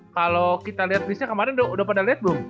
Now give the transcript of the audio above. kalau kita lihat risknya kemarin udah pada lihat belum